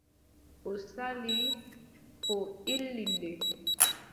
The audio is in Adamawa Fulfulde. O sali, o illi nde.